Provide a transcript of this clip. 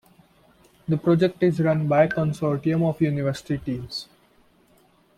The project is run by a consortium of university teams.